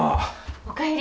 お帰り。